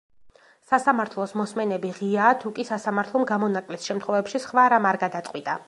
სასამართლოს მოსმენები ღიაა, თუკი სასამართლომ გამონაკლის შემთხვევებში სხვა რამ არ გადაწყვიტა.